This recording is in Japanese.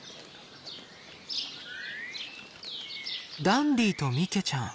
ダンディーと三毛ちゃん